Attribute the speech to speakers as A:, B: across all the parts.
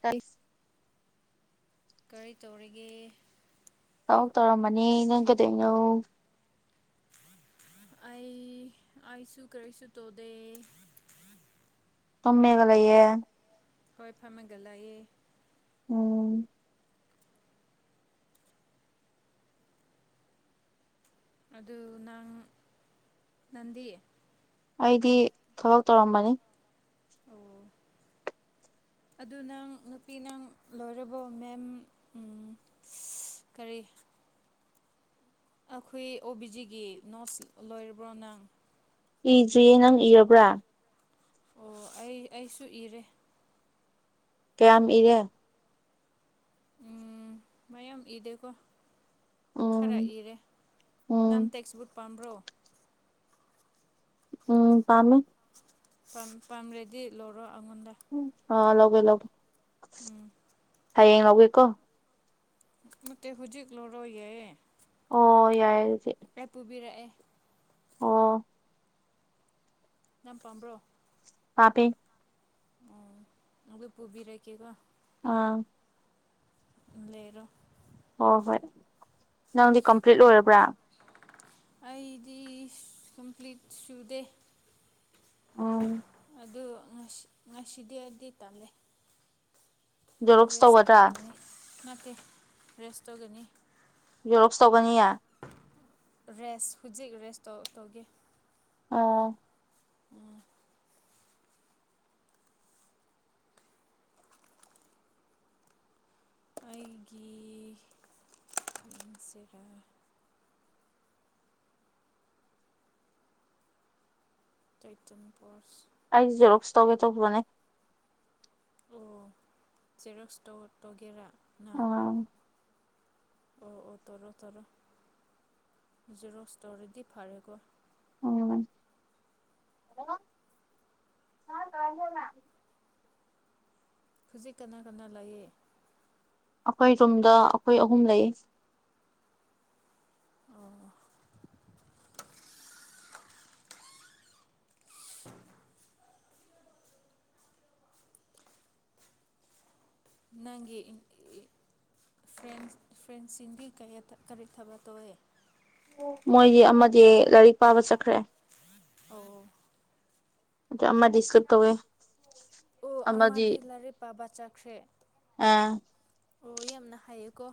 A: ꯇꯩꯁ
B: ꯀꯔꯤ ꯇꯧꯔꯤꯒꯦ
A: ꯊꯕꯛ ꯇꯧꯔꯝꯕꯅꯦ ꯅꯪ ꯀꯩꯗꯧꯅꯣ
B: ꯑꯩ ꯑꯩꯁꯨ ꯀꯔꯤꯁꯨ ꯇꯣꯗꯦ
A: ꯄꯝꯃꯦꯒ ꯂꯩꯌꯦ
B: ꯍꯣꯏ ꯐꯥꯝꯃꯒꯂꯩꯌꯦ
A: ꯎꯝ
B: ꯑꯗꯨ ꯅꯪ ꯅꯪꯗꯤ
A: ꯑꯩꯗꯤ ꯊꯕꯛ ꯇꯧꯔꯝꯕꯅꯤ
B: ꯑꯣ ꯑꯗꯨ ꯅꯪ ꯅꯨꯄꯤ ꯅꯪ ꯂꯣꯏꯔꯕꯣ ꯃꯦꯝ ꯎꯝ ꯀꯔꯤ ꯑꯈꯣꯏ ꯑꯣ ꯕꯤꯖꯤꯒꯤ ꯅꯣꯠꯁ ꯂꯣꯏꯔꯕ꯭ꯔꯣ ꯅꯪ
A: ꯏꯗ꯭ꯔꯤꯌꯦ ꯅꯪ ꯏꯔꯕ꯭ꯔꯥ
B: ꯑꯣ ꯑꯩ ꯑꯩꯁꯨ ꯏꯔꯦ
A: ꯀꯌꯥꯝ ꯏꯔꯦ
B: ꯎꯝ ꯃꯌꯥꯝ ꯏꯗꯦ ꯀꯣ
A: ꯎꯝ
B: ꯈꯔ ꯏꯔꯦ
A: ꯎꯝ
B: ꯅꯪ ꯇꯦꯛꯁꯕꯨꯛ ꯄꯥꯝꯕ꯭ꯔꯣ
A: ꯎꯝ ꯄꯥꯝꯃꯦ
B: ꯄꯥꯝꯔꯦꯗꯤ ꯂꯧꯔꯣ ꯑꯩꯉꯣꯟꯗ
A: ꯑꯥ ꯂꯧꯒꯦ ꯂꯧꯒꯦ
B: ꯎꯝ
A: ꯍꯌꯦꯡ ꯂꯧꯒꯦꯀꯣ
B: ꯅꯠꯇꯦ ꯍꯧꯖꯤꯛ ꯂꯧꯔꯣꯌꯥꯏ
A: ꯑꯣ ꯌꯥꯏ
B: ꯑꯦ ꯄꯨꯕꯤꯔꯛꯑꯦ
A: ꯑꯣ
B: ꯌꯥꯝ ꯄꯥꯝꯕ꯭ꯔꯣ
A: ꯄꯝꯄꯦ
B: ꯑꯣ ꯑꯗꯨ ꯄꯨꯕꯤꯔꯛꯀꯦꯀꯣ
A: ꯑꯥ
B: ꯂꯩꯔꯣ
A: ꯍꯣꯏ ꯍꯣꯏ ꯅꯪꯗꯤ ꯀꯝꯄ꯭ꯂꯤꯠ ꯂꯣꯏꯔꯕ꯭ꯔꯥ
B: ꯑꯩꯗꯤ ꯀꯝꯄ꯭ꯂꯤꯠ ꯁꯨꯗꯦ
A: ꯑꯥ
B: ꯑꯗꯨ ꯉꯁꯤ ꯉꯁꯤꯗꯤ ꯑꯩꯗꯤ ꯇꯜꯂꯦ
A: ꯖꯦꯔꯣꯛꯁ
B: ꯔꯦꯁ
A: ꯇꯧꯒꯗ꯭ꯔꯥ
B: ꯇꯧꯒꯅꯤ ꯅꯠꯇꯦ ꯔꯦꯁ ꯇꯧꯒꯅꯤ
A: ꯌꯦꯔꯣꯛꯁ ꯇꯧꯒꯅꯤꯌꯦ
B: ꯔꯦꯁ ꯍꯧꯖꯤꯛ ꯔꯦꯁꯇꯣ ꯇꯧꯒꯦ
A: ꯑꯣ
B: ꯎꯝ ꯑꯩꯒꯤ ꯁꯦꯔ [unintelligible]
A: ꯑꯩ ꯖꯦꯔꯣꯛꯁ ꯇꯧꯒꯦ ꯇꯧꯕꯅꯦ
B: ꯑꯣ ꯆꯦꯔꯣꯛꯁ ꯇꯧ ꯇꯧꯒꯦꯔꯥ ꯅꯪ
A: ꯑꯥ
B: ꯑꯣ ꯑꯣ ꯇꯣꯔꯣ ꯇꯣꯔꯣ ꯖꯦꯔꯣꯛꯁ ꯇꯨꯔꯤꯗꯤ ꯐꯥꯔꯦꯀꯣ
A: ꯎꯝ [unintelligible]
B: ꯍꯧꯖꯤꯛ ꯀꯅꯥ ꯀꯅꯥ ꯂꯌꯦ
A: ꯑꯩꯈꯣꯏ ꯔꯨꯝꯗ ꯑꯩꯈꯣꯏ ꯑꯍꯨꯝ ꯂꯩ
B: ꯑꯣ [unintelligible] ꯅꯪꯒꯤ ꯏ ꯏ ꯐ꯭ꯔꯦꯟ ꯐ꯭ꯔꯦꯟꯁꯁꯤꯡꯗꯤ ꯀꯩꯌꯥ ꯀꯔꯤ ꯊꯕꯛ ꯇꯧꯋꯦ
A: ꯃꯣꯏꯗꯤ ꯑꯃꯗꯤ ꯂꯥꯏꯔꯤꯛ ꯄꯥꯕ ꯆꯠꯈ꯭ꯔꯦ
B: ꯑꯣ
A: ꯗ ꯑꯃꯗꯤ ꯏ꯭ꯁꯂꯤꯞ ꯇꯧꯋꯦ
B: ꯑꯣ ꯑꯃꯗꯤ ꯂꯥꯏꯔꯤꯛ ꯄꯥꯕ ꯆꯥꯈ꯭ꯔꯦ
A: ꯑꯥ
B: ꯑꯣ ꯌꯥꯝꯅ ꯍꯥꯏꯌꯦꯀꯣ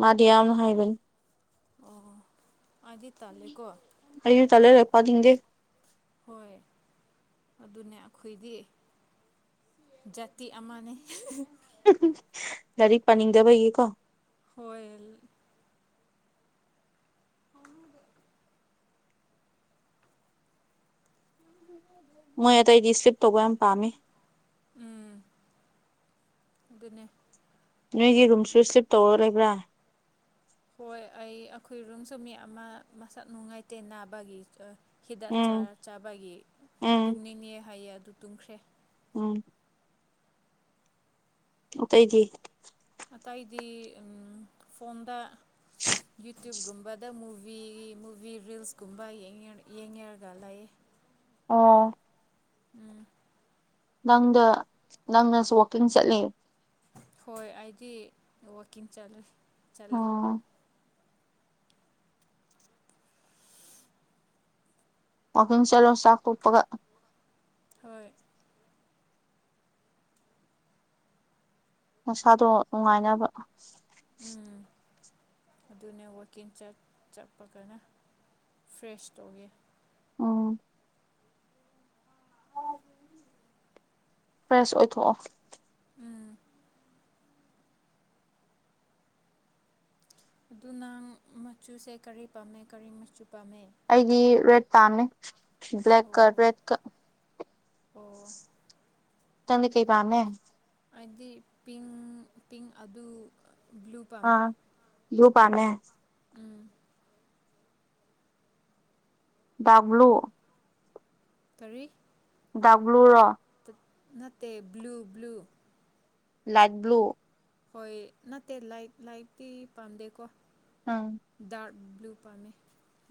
A: ꯃꯥꯗꯤ ꯌꯥꯝꯅ ꯍꯥꯏꯕꯅꯦ
B: ꯑꯣ ꯑꯩꯗꯤ ꯇꯜꯂꯦꯀꯣ
A: ꯑꯩꯖꯨ ꯇꯜꯂꯦ ꯂꯥꯛ ꯄꯥꯥꯅꯤꯡꯗꯦ
B: ꯍꯣꯏ ꯑꯗꯨꯅꯦ ꯑꯈꯣꯏꯗꯤ ꯖꯥꯇꯤ ꯑꯃꯅꯦ
A: ꯂꯥꯏꯔꯤꯛ ꯄꯥꯅꯤꯡꯗꯕꯒꯤ ꯀꯣ
B: ꯍꯣꯏ
A: ꯃꯣꯏ ꯑꯇꯩꯗꯤ ꯏꯁ꯭ꯂꯤꯞ ꯇꯧꯕ ꯌꯥꯝ ꯄꯥꯝꯃꯤ
B: ꯎꯝ ꯑꯗꯨꯅꯦ
A: ꯅꯣꯏꯒꯤ ꯔꯨꯝꯁꯨ ꯁ꯭ꯂꯤꯞ ꯇꯧꯔ ꯂꯩꯕ꯭ꯔꯥ
B: ꯍꯣꯏ ꯑꯩ ꯑꯩꯈꯣꯏꯔꯨꯝꯁꯨ ꯃꯤ ꯑꯃ ꯃꯁꯛ ꯅꯨꯡꯉꯥꯏꯇꯦ ꯅꯥꯕꯒꯤ ꯍꯤꯗꯥꯛ
A: ꯎꯝ
B: ꯆꯥꯔ ꯆꯥꯕꯒꯤ
A: ꯎꯝ
B: ꯇꯨꯝꯅꯤꯡꯉꯦ ꯍꯥꯏꯌꯦ ꯑꯗꯨ ꯇꯨꯝꯈ꯭ꯔꯦ
A: ꯎꯝ ꯑꯇꯩꯗꯤ
B: ꯑꯇꯩꯗꯤ ꯎꯝ ꯐꯣꯟꯗ ꯌꯨꯇ꯭ꯨꯌꯞ ꯒꯨꯝꯕꯗ ꯃꯨꯚꯤ ꯃꯨꯚꯤ ꯔꯤꯜꯁꯀꯨꯝꯕ ꯌꯦꯡꯌꯔ ꯌꯦꯡꯉꯔꯒ ꯂꯩ
A: ꯑꯣ
B: ꯎꯝ
A: ꯅꯪꯗꯣ ꯅꯪꯅꯁꯨ ꯋꯥꯛꯀꯤꯡ ꯆꯠꯂꯤ
B: ꯍꯣꯏ ꯑꯩꯗꯤ ꯋꯛꯀꯤꯡ ꯆꯠꯂꯦ ꯆꯠꯂꯦ
A: ꯎꯝ ꯋꯥꯛꯀꯤꯡ ꯆꯠꯂꯣ ꯆꯥꯛ ꯇꯣꯛꯄꯒ
B: ꯍꯣꯏ
A: ꯅꯁꯥꯗꯣ ꯅꯨꯡꯉꯥꯏꯅꯕ
B: ꯎꯝ ꯑꯗꯨꯅꯦ ꯋꯛꯀꯤꯡ ꯆꯠ ꯆꯠꯄꯒꯅ ꯐ꯭ꯔꯦꯁ ꯇꯧꯌꯦ
A: ꯑꯣ ꯐꯔꯦꯁ ꯑꯣꯏꯊꯣꯛꯑꯣ
B: ꯎꯝ ꯑꯗꯨꯅꯪ ꯃꯆꯨꯁꯦ ꯀꯔꯤ ꯄꯥꯝꯃꯦ ꯀꯔꯤ ꯃꯆꯨ ꯄꯥꯝꯃꯦ
A: ꯑꯩꯗꯤ ꯔꯦꯠ ꯄꯥꯝꯅꯦ
B: ꯑꯣ
A: ꯕ꯭ꯂꯦꯛꯀ ꯔꯦꯠꯀ
B: ꯑꯣ
A: ꯅꯪꯗꯤ ꯀꯩ ꯄꯥꯝꯃꯦ
B: ꯑꯩꯗꯤ ꯄꯤꯡ ꯄꯤꯡ ꯑꯗꯨ ꯕ꯭ꯂꯨ ꯄꯥꯝꯃꯦ
A: ꯑꯥ ꯕ꯭ꯂꯨ ꯄꯥꯝꯃꯦ
B: ꯎꯝ
A: ꯗꯥꯛꯕ꯭ꯂꯨ
B: ꯀꯔꯤ
A: ꯗꯥꯛꯕ꯭ꯂꯨꯔꯣ
B: ꯅꯠꯇꯦ ꯕ꯭ꯂꯨ ꯕ꯭ꯂꯨ
A: ꯂꯥꯏꯠ ꯕ꯭ꯂꯨ
B: ꯍꯣꯏ ꯅꯠꯇꯦ ꯂꯥꯏ ꯂꯥꯏꯇꯤ ꯄꯥꯝꯗꯦꯀꯣ
A: ꯎꯝ
B: ꯗꯥꯔꯠ ꯂꯨ ꯄꯥꯝꯃꯦ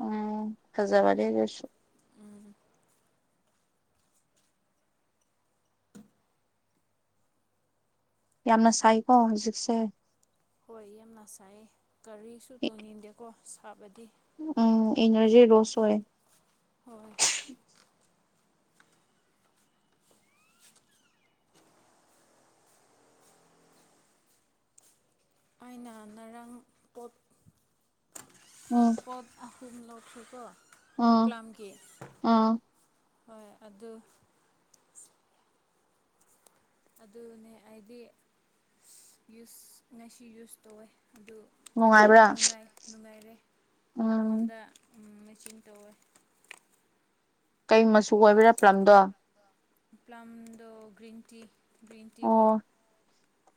A: ꯎꯝ ꯐꯖꯕꯅꯦ ꯑꯗꯨꯁꯨ
B: ꯎꯝ
A: ꯌꯥꯝꯅ ꯁꯥꯏꯀꯣ ꯍꯧꯖꯤꯛꯁꯦ
B: ꯍꯣꯏ ꯌꯥꯝꯅ ꯁꯥꯏ ꯀꯔꯤꯁꯨ ꯇꯣꯡꯅꯤꯡꯗꯦꯀꯣ ꯁꯥꯕꯗꯤ
A: ꯎꯝ ꯏꯅꯔꯖꯤ ꯔꯣꯁ ꯑꯣꯏ
B: ꯍꯣꯏ ꯑꯩꯅ ꯉꯔꯥꯡ ꯄꯣꯠ
A: ꯎꯝ
B: ꯄꯣꯠ ꯊꯨꯝ ꯂꯧꯁꯤꯀꯣ
A: ꯎꯝ
B: ꯄ꯭ꯂꯝꯒꯤ
A: ꯎꯝ
B: ꯍꯣꯏ ꯑꯗꯨ ꯑꯗꯨꯅꯦ ꯑꯩꯗꯤ ꯌꯨꯁ ꯉꯁꯤ ꯌꯨꯁ ꯇꯧꯋꯦ ꯑꯗꯨ
A: ꯅꯨꯡꯉꯥꯏꯕ꯭ꯔꯥ
B: ꯅꯨꯡꯉꯥꯏ ꯅꯨꯡꯉꯥꯏꯔꯦ
A: ꯎꯝ
B: ꯅꯪꯉꯣꯟꯗ ꯆꯤꯡ ꯇꯧꯋꯦ
A: ꯀꯩ ꯃꯆꯨ ꯑꯣꯏꯕꯔ ꯄ꯭ꯂꯝꯗꯣ
B: ꯄ꯭ꯂꯝꯗꯣ ꯒ꯭ꯔꯤꯟ ꯇꯤ ꯒ꯭ꯔꯤꯟ ꯇꯤꯒꯤ
A: ꯑꯣ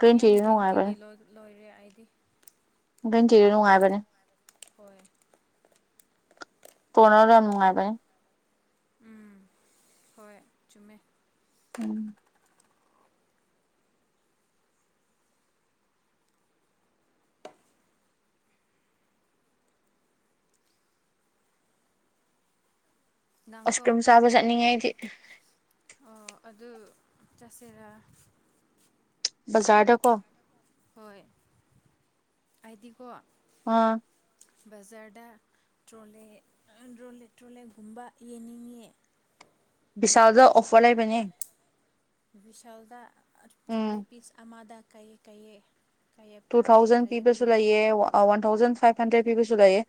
B: ꯃꯌꯥꯝ
A: ꯇꯤꯗꯨ
B: ꯒ꯭ꯔꯤꯟ ꯇꯤꯒꯤ
A: ꯅꯨꯡꯉꯥꯏꯕꯅꯦ
B: ꯂꯣ ꯂꯣꯏꯔꯦ ꯑꯩꯗꯤ
A: ꯒꯔꯤꯟꯇꯤꯗꯣ ꯅꯨꯡꯉꯥꯏꯕꯅꯦ
B: ꯍꯣꯏ
A: ꯇꯣꯅꯔꯗꯣ ꯌꯥꯝ ꯅꯨꯡꯉꯥꯏꯕꯅꯦ
B: ꯎꯝ ꯍꯣꯏ ꯆꯨꯝꯃꯦ
A: ꯎꯝ
B: ꯅꯪꯀꯣ
A: ꯑꯥꯏꯁꯀ꯭ꯔꯤꯝ ꯆꯥꯕ ꯆꯠꯅꯤꯡꯉꯦ ꯑꯩꯗꯤ
B: ꯑꯣ ꯑꯗꯨ ꯆꯁꯤꯔꯥ
A: ꯕꯖꯥꯔꯗꯀꯣ
B: ꯍꯣꯏ ꯑꯩꯗꯤ ꯀꯣ
A: ꯑꯥ
B: ꯕꯖꯔꯗꯥ ꯇ꯭ꯔꯣꯂꯦ ꯑ ꯗ꯭ꯔꯣꯂꯦ ꯇ꯭ꯔꯣꯂꯦꯒꯨꯝꯕ ꯌꯦꯡꯅꯤꯡꯉꯦ
A: ꯕꯤꯁꯥꯜꯗ ꯑꯣꯐꯔ ꯂꯩꯕꯅꯤ
B: ꯕꯤꯚꯤꯁꯥꯜꯗ ꯑ ꯇ꯭ꯔꯣꯂꯦ ꯄꯤꯁ ꯑꯃꯗ ꯀꯩ ꯀꯩꯌꯦ ꯀꯌꯦꯞ
A: ꯇꯨ
B: ꯇꯥꯔꯦ
A: ꯊꯥꯎꯖꯟ
B: ꯀꯌꯦꯞ
A: ꯄꯤꯕꯁꯨ
B: ꯄꯤꯔꯦ
A: ꯂꯩꯑꯦ ꯑ ꯋꯥꯟ ꯊꯥꯎꯖꯟ ꯐꯥꯏꯚ ꯍꯟꯗ꯭ꯔꯦꯗ ꯄꯤꯕꯁꯨ ꯂꯩꯑꯦ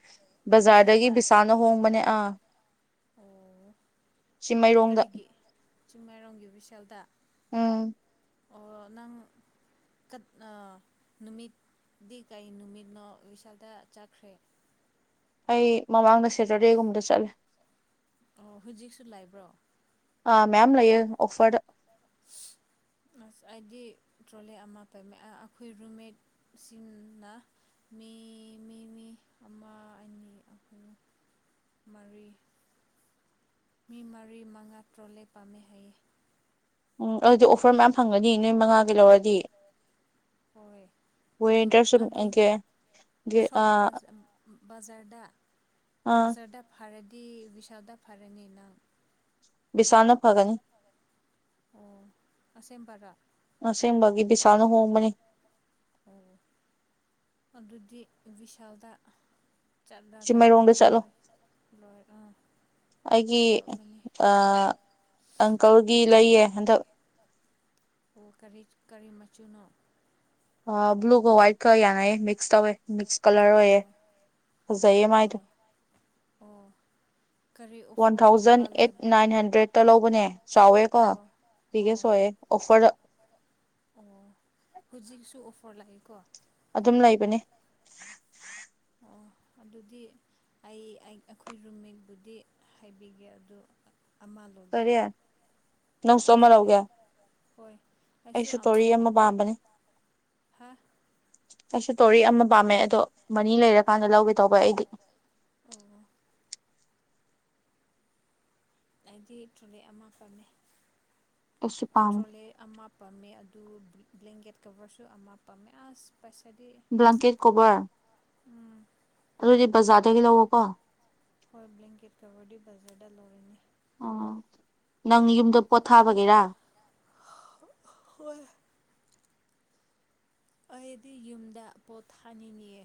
A: ꯕꯖꯥꯔꯗꯒꯤ
B: ꯕꯤꯚꯤꯁꯥꯜꯗ
A: ꯕꯤꯁꯥꯜꯅ ꯍꯣꯡꯕꯅꯦ ꯑꯥ
B: ꯑꯣ
A: ꯆꯤꯡꯃꯩꯔꯣꯡꯗ
B: ꯀꯔꯤꯒꯤ ꯆꯤꯡꯃꯥꯏꯔꯣꯡꯒꯤ ꯕꯤꯁꯥꯜꯗ
A: ꯎꯝ
B: ꯑꯣ ꯅꯪ ꯀꯠꯅ ꯅꯨꯃꯤꯠ ꯗꯤ ꯀꯩ ꯅꯨꯃꯤꯠꯅꯣ ꯋꯤꯁꯥꯜꯗ ꯆꯠꯈ꯭ꯔꯦ
A: ꯑꯩ ꯃꯃꯥꯡꯗ ꯁꯦꯇꯔꯗꯦꯒꯨꯝꯕꯗ ꯆꯠꯂꯦ
B: ꯑꯣ ꯍꯧꯖꯤꯛꯁꯨ ꯂꯩꯕ꯭ꯔꯣ
A: ꯑꯥ ꯃꯌꯥꯝ ꯂꯩꯌꯦ ꯑꯣꯐꯔꯗ
B: ꯑꯁ ꯑꯩꯗꯤ ꯇ꯭ꯔꯣꯂꯦ ꯑꯃ ꯄꯝꯃꯦ ꯑꯩꯈꯣꯏ ꯔꯨꯝꯃꯦꯠꯁꯤꯡꯅ ꯃꯤ ꯃꯤ ꯃꯤ ꯑꯃ ꯑꯅꯤ ꯑꯍꯨꯝ ꯃꯔꯤ ꯃꯤ ꯃꯔꯤ ꯃꯉꯥ ꯇ꯭ꯔꯣꯜꯂꯤ ꯄꯥꯝꯃꯦ ꯍꯥꯏꯌꯦ
A: ꯎꯝ ꯑꯗꯨꯗꯤ ꯑꯣꯐꯔ ꯃꯌꯥꯝ ꯐꯪꯒꯅꯤ ꯅꯣꯏ ꯃꯉꯥꯒꯤ ꯂꯧꯔꯗꯤ
B: ꯍꯣꯏ ꯑꯗꯨ
A: ꯋꯤꯟꯇꯔꯁꯨ
B: ꯑꯗꯨ ꯁꯣꯞ
A: ꯑꯥ
B: ꯕꯖ ꯕꯖꯥꯔꯗ
A: ꯑꯥ
B: ꯕꯖꯥꯔꯗ ꯐꯔꯗꯤ ꯋꯤꯁꯥꯜꯗ ꯐꯔꯅꯤ ꯅꯪ
A: ꯕꯤꯁꯥꯜꯅ ꯐꯒꯅꯤ
B: ꯑꯣ ꯑꯁꯦꯝ ꯄꯔꯥ
A: ꯑꯁꯦꯡꯕꯒꯤ ꯕꯤꯁꯥꯜꯅ ꯍꯣꯡꯕꯅꯦ
B: ꯑꯣ ꯑꯗꯨꯗꯤ ꯕꯤꯁꯥꯜꯗ ꯆꯠꯂꯒ
A: ꯆꯤꯡꯃꯩꯔꯣꯡꯗ ꯆꯠꯂꯣ
B: ꯂꯣꯏ ꯂꯣꯏ ꯑ
A: ꯑꯩꯒꯤ ꯑꯪꯀꯜꯒꯤ ꯂꯩꯌꯦ ꯍꯟꯗꯛ
B: ꯑꯣ ꯀꯔꯤ ꯀꯔꯤ ꯃꯆꯨꯅꯣ
A: ꯑ ꯕ꯭ꯂꯨꯒ ꯋꯥꯏꯠꯀ ꯌꯥꯅꯌꯦ ꯃꯤꯛꯁ ꯇꯧꯋꯦ ꯃꯤꯛꯁ ꯀꯂꯔ ꯑꯣꯏꯌꯦ
B: ꯑꯣ
A: ꯐꯖꯩꯌꯦ ꯃꯥꯏꯗꯣ
B: ꯑꯣ [inaudible]
A: ꯋꯥꯟ ꯊꯥꯎꯖꯟ
B: ꯑꯣꯐꯔꯒꯨꯝꯕ
A: ꯑꯦꯠ
B: ꯂꯩ
A: ꯅꯥꯏꯟ ꯍꯟꯗ꯭ꯔꯦꯠꯇ ꯂꯧꯕꯅꯦ ꯆꯥꯎꯋꯦꯀꯣ
B: ꯑꯣ
A: ꯕꯤꯒꯦꯁ
B: ꯑꯣ
A: ꯑꯣꯏꯌꯦ ꯑꯣꯐꯔꯗ
B: ꯑꯣ ꯍꯧꯖꯤꯛꯁꯨ ꯑꯣꯐꯔ ꯂꯩꯀꯣ
A: ꯑꯗꯨꯝ ꯂꯩꯕꯅꯦ
B: ꯑꯣ ꯑꯗꯨꯗꯤ ꯑꯩ ꯑꯩꯈꯣꯏ ꯔꯨꯝꯃꯦꯠꯕꯨꯗꯤ ꯍꯥꯏꯕꯤꯒꯦ ꯑꯗꯨ ꯑꯃ ꯂꯧꯒꯦ
A: ꯀꯔꯤ ꯅꯪꯁꯨ ꯑꯃ
B: ꯇ꯭ꯔꯣꯂꯦ
A: ꯂꯧꯒꯦ
B: ꯍꯣꯏ
A: ꯑꯩꯁꯨ ꯇꯣꯔꯤ ꯑꯃ ꯄꯥꯝꯕꯅꯦ
B: ꯍ
A: ꯑꯩꯁꯨ ꯇꯣꯔꯤ ꯑꯃ ꯄꯥꯝꯃꯦ ꯑꯗꯣ ꯃꯅꯤ ꯂꯩꯔꯀꯥꯟꯗ ꯂꯧꯒꯦ ꯇꯧꯕ ꯑꯩꯗꯤ
B: ꯑꯣ ꯑꯩꯗꯤ ꯇ꯭ꯔꯣꯂꯤ ꯑꯃ ꯄꯥꯝꯃꯦ
A: ꯑꯩꯁꯨ ꯄꯥꯝꯃꯦ
B: ꯇ꯭ꯔꯣꯂꯤ ꯑꯃ ꯄꯥꯝꯃꯦ ꯇꯨ ꯕ꯭ꯂꯦꯡꯀꯦꯠ ꯀꯣꯕꯔꯁꯨ ꯑꯃ ꯄꯥꯝꯃꯦ ꯑꯁ ꯄꯩꯁꯥꯗꯤ
A: ꯕ꯭ꯂꯥꯡꯀꯦꯠ ꯀꯣꯕꯔ
B: ꯎꯝ
A: ꯑꯗꯨꯗꯤ ꯕꯖꯥꯔꯗꯒꯤ ꯂꯧꯑꯣꯀꯣ
B: ꯍꯣꯏ ꯕ꯭ꯂꯦꯡꯀꯦꯠ ꯀꯕꯔꯗꯤ ꯕꯖꯥꯔꯗ ꯂꯣꯏꯔꯅꯤ
A: ꯑꯥ ꯅꯪ ꯌꯨꯝꯗ ꯄꯣꯊꯥꯕꯒꯤꯔꯥ
B: ꯍꯣꯏ ꯑꯩꯗꯤ ꯌꯨꯝꯗ ꯄꯣꯠ ꯊꯥꯅꯤꯡꯉꯦ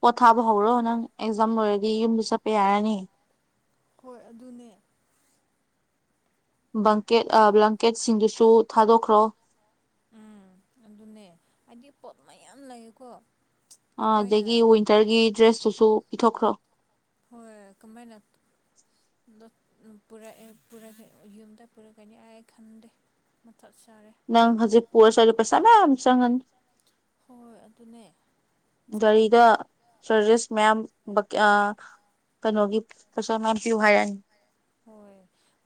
A: ꯄꯣꯊꯥꯕ ꯍꯧꯔꯣ ꯅꯪ ꯑꯦꯛꯖꯥꯝ ꯂꯣꯏꯔꯗꯤ ꯌꯨꯝꯗ ꯆꯠꯄ ꯌꯥꯔꯅꯤ
B: ꯍꯣꯏ ꯑꯗꯨꯅꯦ
A: ꯕꯪꯀꯦꯠ ꯕ꯭ꯂꯥꯡꯀꯦꯠꯁꯤꯡꯗꯨꯁꯨ ꯊꯥꯗꯣꯛꯈ꯭ꯔꯣ
B: ꯎꯝ ꯑꯗꯨꯅꯦ ꯍꯥꯏꯗꯤ ꯄꯣꯠ ꯃꯌꯥꯝ ꯂꯩꯀꯣ
A: ꯑꯥ ꯑꯗꯒꯤ ꯋꯤꯟꯇꯔꯒꯤ ꯗ꯭ꯔꯦꯁꯇꯨꯁꯨ ꯄꯤꯊꯣꯛꯈ꯭ꯔꯣ
B: ꯍꯣꯏ ꯀꯃꯥꯏꯅ ꯗꯨ ꯄꯨꯔꯛꯑꯦ ꯄꯨꯔꯛꯑꯦ ꯌꯨꯝꯗ ꯄꯨꯔꯛꯀꯅꯤ ꯑꯩ ꯈꯟꯗꯦ ꯃꯊꯛ ꯁꯥꯔꯦ
A: ꯅꯪ ꯍꯧꯖꯤꯛ ꯄꯔꯁꯨ ꯑꯗꯨ ꯄꯩꯁꯥ ꯃꯌꯥꯝ ꯆꯪꯉꯅꯤ
B: ꯍꯣꯏ ꯑꯗꯨꯅꯦ
A: ꯆꯔꯖꯦꯁ ꯃꯌꯥꯝ ꯕꯛꯀꯦ ꯑ ꯀꯩꯅꯣꯒꯤ ꯄꯩꯁꯥ ꯃꯌꯥꯝ ꯄꯤꯌꯨ ꯍꯥꯏꯔꯑꯅꯤ
B: ꯍꯣꯏ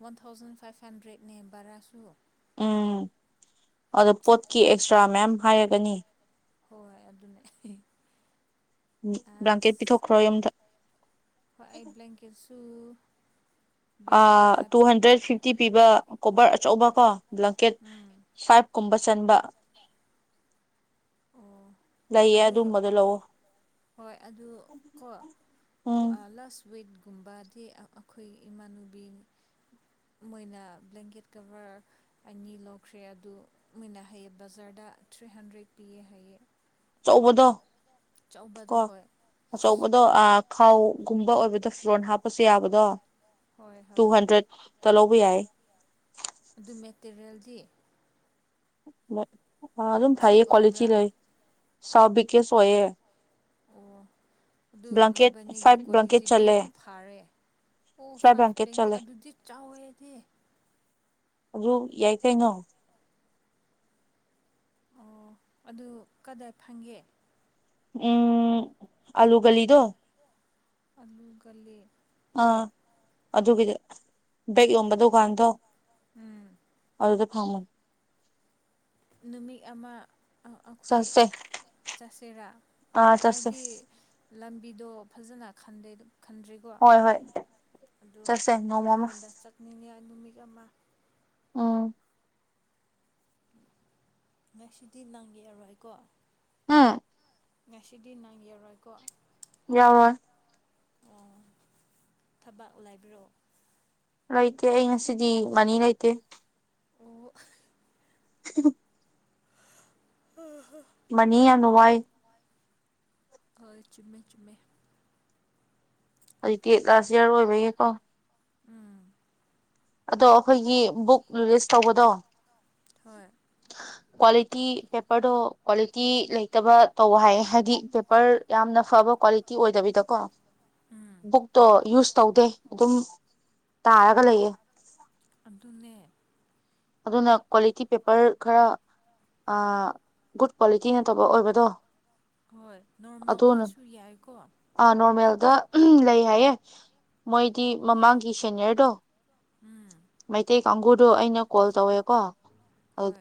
B: ꯋꯥꯟ ꯊꯥꯎꯖꯟ ꯐꯥꯏꯚ ꯍꯟꯗ꯭ꯔꯦꯠꯅꯦ ꯚꯔꯥꯁꯨ
A: ꯎꯝ ꯑꯗꯣ ꯄꯣꯠꯀꯤ ꯑꯦꯛꯁꯇ꯭ꯔꯥ ꯃꯌꯥꯝ ꯍꯥꯏꯔꯒꯅꯤ
B: ꯍꯣꯏ ꯑꯗꯨꯅꯦ
A: ꯎ ꯕ꯭ꯂꯥꯡꯀꯦꯠ
B: ꯑꯁ
A: ꯄꯤꯊꯣꯛꯈ꯭ꯔꯣ ꯌꯨꯝꯗ
B: ꯇꯨ
A: ꯇꯨ ꯍꯟꯗ꯭ꯔꯦꯠ ꯐꯤꯐꯇꯤ ꯄꯤꯕ ꯀꯣꯕꯔ ꯑꯆꯧꯕ ꯀꯣ ꯕ꯭ꯂꯥꯀꯦꯠ
B: ꯎꯝ
A: ꯐꯥꯏꯚ ꯀꯨꯝꯕ ꯆꯟꯕ
B: ꯑꯣ
A: ꯂꯩꯌꯦ
B: ꯑꯗꯨ
A: ꯑꯗꯨꯒꯕꯗꯣ ꯂꯧꯑꯣ
B: ꯍꯣꯏ ꯑꯗꯨ ꯀꯣ
A: ꯎꯝ
B: ꯂꯥꯁ ꯋꯤꯛ ꯒꯨꯝꯕꯗꯤ ꯑ ꯑꯈꯣꯏ ꯏꯃꯥꯟꯅꯨꯕꯤ ꯃꯣꯏꯅ ꯕ꯭ꯂꯦꯡꯀꯦꯠ ꯀꯚꯔ ꯑꯅꯤ ꯂꯧꯈ꯭ꯔꯦ ꯑꯗꯨ ꯃꯣꯏꯅ ꯍꯌꯦ ꯕꯖꯥꯔꯗ ꯊ꯭ꯔꯤ ꯍꯥꯟꯗ꯭ꯔꯦꯠ ꯄꯤꯌꯦ ꯍꯥꯏꯌꯦ
A: ꯑꯆꯧꯕꯗꯣ ꯀꯣ
B: ꯑꯆꯧꯕꯗꯣ ꯍꯣꯏ
A: ꯑꯆꯧꯕꯗꯣ ꯑ ꯈꯥꯎ ꯒꯨꯝꯕ ꯑꯣꯏꯕꯗ ꯐꯣꯟ ꯍꯥꯞꯄꯁꯨ ꯌꯥꯕꯗꯣ
B: ꯍꯣꯏ
A: ꯇꯨ
B: ꯍꯣꯏ
A: ꯍꯟꯗ꯭ꯔꯦꯠ ꯇ ꯂꯧꯕ ꯌꯥꯏ
B: ꯑꯗꯨ ꯃꯦꯇꯔꯤꯌꯦꯜꯗꯤ
A: ꯑ ꯑꯗꯨꯝ ꯊꯥꯏꯌꯦ
B: ꯊꯤꯛ
A: ꯀꯣꯋꯥꯂꯤꯇꯤ
B: ꯑꯣꯏꯕ꯭ꯔꯥ
A: ꯂꯩ ꯁꯥꯎ ꯕꯤꯀꯦꯁ ꯑꯣꯏꯌꯦ
B: ꯑꯣ ꯑꯗꯨ
A: ꯕ꯭ꯂꯥꯡꯀꯦꯠ
B: ꯃꯕꯥꯅꯤꯒꯤ
A: ꯐꯥꯏꯚ ꯕ꯭ꯂꯥꯡꯀꯦꯠ
B: ꯀ꯭ꯋꯥꯂꯤꯇꯤꯗꯤ
A: ꯆꯜꯂꯦ
B: ꯐꯔꯦ ꯑꯣ
A: ꯐ꯭ꯂꯥꯏꯠ
B: ꯐꯥꯏꯚ
A: ꯕ꯭ꯂꯥꯡꯀꯦꯠ
B: ꯕꯦꯡꯒꯤ
A: ꯆꯠꯂꯦ
B: ꯑꯗꯨꯗꯤ ꯆꯥꯎꯋꯦꯗꯤ
A: ꯑꯗꯨ ꯌꯥꯏ ꯀꯩꯅꯣ
B: ꯑꯣ ꯑꯗꯨ ꯀꯗꯥꯏ ꯐꯪꯒꯦ
A: ꯎꯝ ꯑꯂꯨꯒꯂꯤꯗꯣ
B: ꯑꯜꯂꯨꯒꯂꯤ
A: ꯑꯥ ꯑꯗꯨꯒꯤꯗꯤ ꯕꯦꯛ ꯌꯣꯟꯕ ꯗꯨꯀꯥꯟꯗꯣ
B: ꯎꯝ
A: ꯑꯗꯨꯗ ꯐꯪꯕꯅꯦ
B: ꯅꯨꯃꯤꯠ ꯑꯃ ꯑꯩꯈꯣꯏ
A: ꯆꯠꯁꯦ
B: ꯆꯠꯁꯤꯔꯥ
A: ꯑꯥ ꯆꯠꯁꯦ
B: ꯑꯩꯗꯤ ꯂꯝꯕꯤꯗꯣ ꯐꯖꯅ ꯈꯟꯗꯦ ꯈꯟꯗ꯭ꯔꯤꯀꯣ
A: ꯍꯣꯏ ꯍꯣꯏ
B: ꯑꯗꯨ
A: ꯆꯠꯁꯦ ꯅꯣꯡꯃ ꯑꯃ
B: ꯅꯪꯉꯣꯟꯗ ꯆꯠꯅꯤꯡꯉꯦ ꯅꯨꯃꯤꯠ ꯑꯃ
A: ꯑꯝ
B: ꯉꯁꯤꯗꯤ ꯅꯪ ꯌꯦꯔꯣꯏꯀꯣ
A: ꯍ
B: ꯉꯁꯤꯗꯤ ꯅꯪ ꯌꯦꯔꯣꯏꯀꯣ
A: ꯌꯥꯔꯣꯏ
B: ꯑꯣ ꯊꯕꯥꯛ ꯂꯩꯕ꯭ꯔꯣ
A: ꯂꯩꯇꯦ ꯑꯩ ꯉꯁꯤꯗꯤ ꯃꯅꯤ ꯂꯩꯇꯦ
B: ꯑꯣ
A: ꯍ
B: ꯑ ꯍ
A: ꯃꯅꯤ ꯌꯥꯝꯅ ꯋꯥꯏ
B: ꯑꯣꯏ ꯆꯨꯝꯃꯦ ꯆꯨꯝꯃꯦ
A: ꯍꯧꯖꯤꯛꯇꯤ ꯂꯥꯁ ꯏꯌꯥꯔ ꯑꯣꯏꯕꯒꯤꯀꯣ
B: ꯎꯝ
A: ꯑꯗꯣ ꯑꯩꯈꯣꯏꯒꯤ ꯕꯨꯛ ꯂꯤꯁ ꯇꯧꯕꯗꯣ
B: ꯍꯣꯏ
A: ꯀ꯭ꯋꯥꯂꯤꯇꯤ ꯄꯦꯄꯔꯗꯣ ꯀ꯭ꯋꯥꯂꯤꯇꯤ ꯂꯩꯇꯕ ꯇꯧ ꯍꯥꯏ ꯍꯥꯏꯗꯤ ꯄꯦꯄꯔ ꯌꯥꯝꯅ ꯐꯕ ꯀ꯭ꯋꯥꯂꯤꯇꯤ ꯑꯣꯏꯗꯕꯤꯗꯀꯣ
B: ꯎꯝ
A: ꯕꯨꯛꯇꯣ ꯌꯨꯁ ꯇꯧꯗꯦ ꯑꯗꯨꯝ ꯇꯥꯔꯒ ꯂꯩꯌꯦ
B: ꯑꯗꯨꯅꯦ
A: ꯑꯗꯨꯅ ꯀ꯭ꯋꯥꯂꯤꯇꯤ ꯄꯦꯄꯔ ꯈꯔ ꯑ ꯒꯨꯗ ꯀ꯭ꯋꯥꯂꯤꯇꯤ ꯅꯠꯇꯕ ꯑꯣꯏꯕꯗꯣ
B: ꯍꯣꯏ ꯅꯣꯔꯃꯦꯜ ꯑꯣꯏꯁꯨ ꯌꯥꯏꯀꯣ
A: ꯗ ꯂꯩ ꯍꯥꯏꯌꯦ ꯃꯣꯏꯗꯤ ꯃꯃꯥꯡꯒꯤ ꯁꯦꯅꯤꯌꯔꯗꯣ
B: ꯎꯝ
A: ꯃꯩꯇꯩ ꯀꯥꯡꯒꯨꯗꯣ ꯑꯩꯅ ꯀꯣꯜ ꯇꯧꯋꯦꯀꯣ
B: ꯍꯣꯏ